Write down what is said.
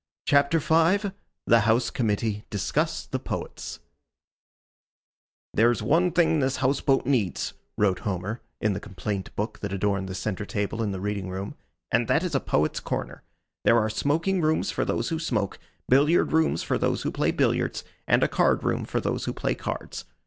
CHAPTER V: THE HOUSE COMMITTEE DISCUSS THE POETS "There's one thing this house boat needs," wrote Homer in the complaint book that adorned the centre table in the reading room, "and that is a Poets' Corner. There are smoking rooms for those who smoke, billiard rooms for those who play billiards, and a card room for those who play cards.